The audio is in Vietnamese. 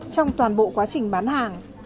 trong toàn bộ quá trình bán hàng